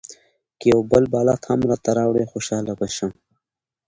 که یو بل بالښت هم راته راوړې خوشاله به شم.